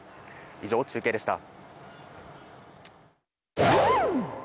以上、中継でした。